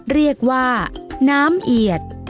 เรียกว่าน้ำเอียด